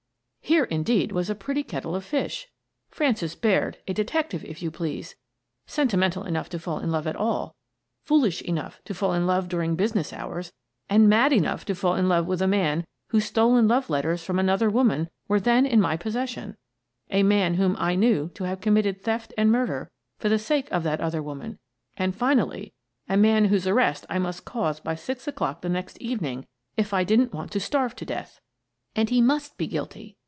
Here, indeed, was a pretty kettle of fish ! Frances Baird, a detective, if you please, sentimental enough to fall in love at all, foolish enough to fall in love during business hours, and mad enough to fall in love with a man whose stolen love letters from an other woman were then in my possession, — a man whom I knew to have committed theft and mur der for the sake of that other woman, and, finally, a man whose arrest I must cause by six o'clock the next evening if I didn't want to starve to death! And he must be guilty.